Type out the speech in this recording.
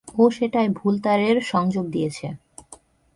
ও সেটায় ভুল তারের সংযোগ দিয়েছে।